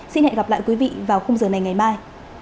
xin hẹn gặp lại quý vị vào khung giờ này ngày mai